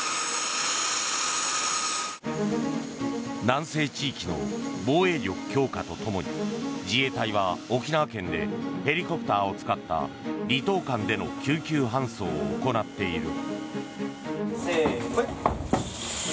南西地域の防衛力強化と共に自衛隊は沖縄県でヘリコプターを使った離島間での救急搬送を行っている。